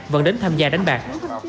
vẫn đến tham gia đánh bạc